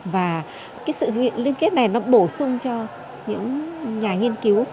và sự liên kết này bổ sung cho những nhà nghiên cứu